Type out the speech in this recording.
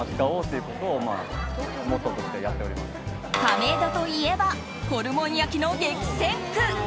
亀戸といえばホルモン焼きの激戦区。